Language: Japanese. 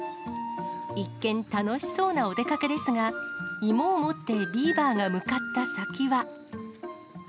一見、楽しそうなお出かけですが、芋を持ってビーバーが向かった先は。